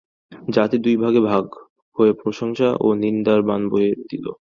জাতি দুই ভাগে ভাগ হয়ে প্রশংসা ও নিন্দার বান বইয়ে দিল।